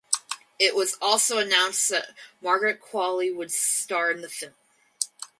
It was also announced that Margaret Qualley would star in the film.